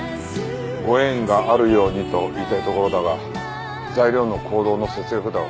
ご縁があるようにと言いたいところだが材料の黄銅の節約だろ。